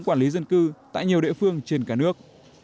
quản lý dân cư tại nhiều địa phương trên cả nước